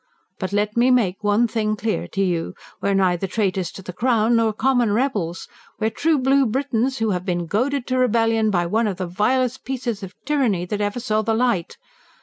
But let me make one thing clear to you. We're neither traitors to the Crown, nor common rebels. We're true blue Britons, who have been goaded to rebellion by one of the vilest pieces of tyranny that ever saw the light.